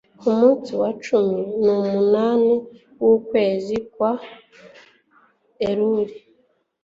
ku munsi wa cumi n'umunani w'ukwezi kwa eluli